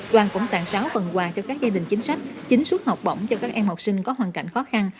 đoàn cũng tặng sáu phần quà cho các gia đình chính sách chín suất học bổng cho các em học sinh có hoàn cảnh khó khăn